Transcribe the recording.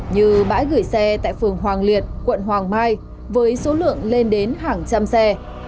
như bãi gửi xe tại phường hoàng liệt quận hoàng mai với số lượng lên đến hàng trăm xe